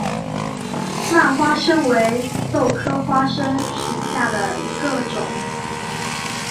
蔓花生为豆科花生属下的一个种。